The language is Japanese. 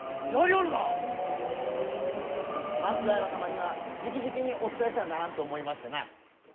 松平様にはじきじきにお伝えせなならんと思いましてな。